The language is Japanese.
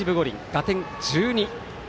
打点１２。